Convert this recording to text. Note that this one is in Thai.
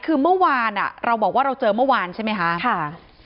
คือเมื่อวานเราบอกว่าเราเจอเมื่อวานใช่ไหมคะ